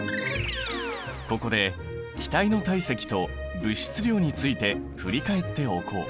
ここで気体の体積と物質量について振り返っておこう。